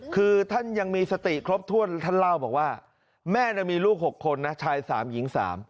คือท่านยังมีสติครบถ้วนท่านเล่าบอกว่าแม่มีลูก๖คนนะชาย๓หญิง๓